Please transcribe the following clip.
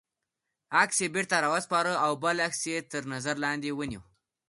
عکس یې بېرته را و سپاره او بل عکس یې تر نظر لاندې ونیوه.